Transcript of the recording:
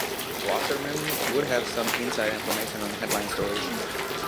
Wasserman would have some inside information on headline stories.